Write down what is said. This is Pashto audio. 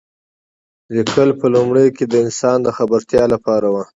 لیکل په لومړیو کې د انسان د خبرتیا لپاره و.